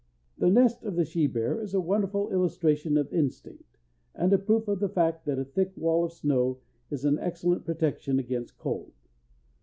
The nest of the she bear is a wonderful illustration of instinct, and a proof of the fact that a thick wall of snow is an excellent protection against cold.